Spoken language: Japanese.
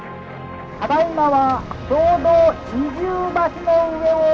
「ただいまはちょうど二重橋の上を」。